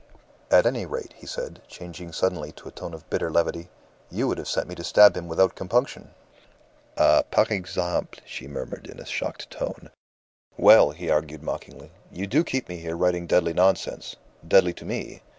"At any rate," he said, changing suddenly to a tone of bitter levity, "you would have sent me to stab him without compunction." "Ah, par exemple!" she murmured in a shocked tone. "Well," he argued, mockingly, "you do keep me here writing deadly nonsense. Deadly to me!